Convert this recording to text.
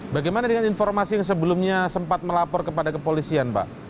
bagaimana dengan informasi yang sebelumnya sempat melapor kepada kepolisian pak